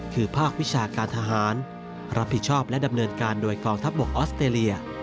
คือภาควิชาการทหารรับผิดชอบและดำเนินการโดยกองทัพบกออสเตรเลีย